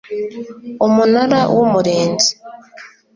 umunara w umurinzi